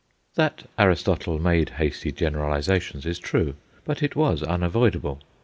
That Aristotle made hasty generalizations is true; but it was unavoidable.